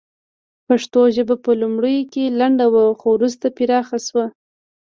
پښتو ژبه په لومړیو کې لنډه وه خو وروسته پراخه شوه